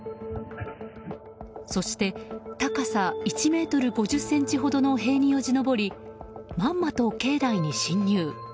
そして、高さ１ｍ５０ｃｍほどの塀によじ登りまんまと境内に侵入。